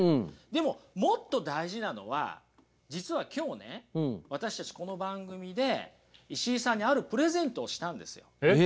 でももっと大事なのは実は今日ね私たちこの番組で石井さんにあるプレゼントをしたんですよ。